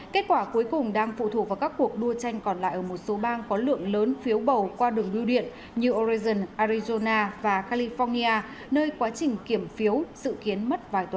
kết quả cuối cùng đang phụ thuộc vào các cuộc đua tranh còn lại ở một số bang có lượng lớn phiếu bầu qua đường biêu điện như oregon arizona và california nơi quá trình kiểm phiếu dự kiến mất vài tuần